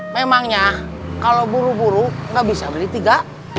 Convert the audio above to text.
memangnya kalau buru buru nggak bisa beli tiga